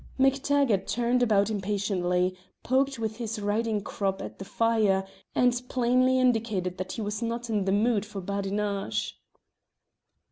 MacTaggart turned about impatiently, poked with his riding crop at the fire, and plainly indicated that he was not in the mood for badinage.